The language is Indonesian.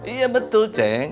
iya betul cek